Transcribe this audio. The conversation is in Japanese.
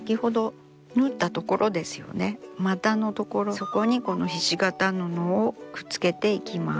そこにこのひし形の布をくっつけていきます。